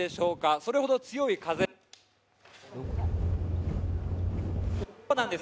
それほど強い風です。